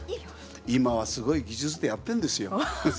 今はすごい技術でやってんですよ。